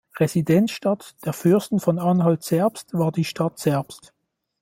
Residenzstadt der Fürsten von Anhalt-Zerbst war die Stadt Zerbst.